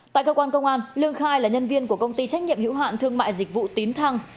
tại cơ quan công an lương khai là nhân viên của công ty trách nhiệm hữu hạn thương mại dịch vụ tín thăng